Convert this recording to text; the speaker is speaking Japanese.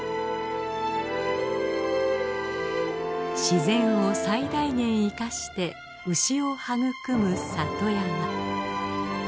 自然を最大限いかして牛を育む里山。